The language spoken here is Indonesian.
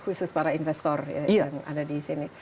khusus para investor yang ada di sini